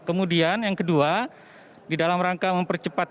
kemudian yang kedua di dalam rangka mempercepat